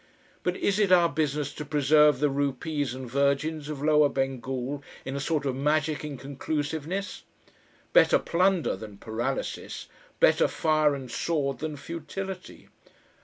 But is it our business to preserve the rupees and virgins of Lower Bengal in a sort of magic inconclusiveness? Better plunder than paralysis, better fire and sword than futility.